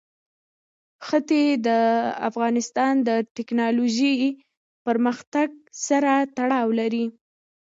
ښتې د افغانستان د تکنالوژۍ پرمختګ سره تړاو لري.